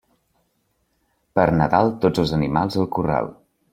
Per Nadal, tots els animals al corral.